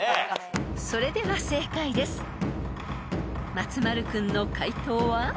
［松丸君の解答は？］